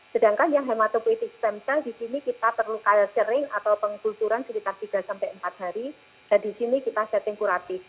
sedangkan yang hematopolitik stem cell di sini kita perlu calestering atau pengulturan sekitar tiga sampai empat hari dan di sini kita setting kuratif